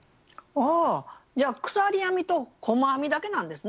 ああ鎖編みと細編みだけなんですね。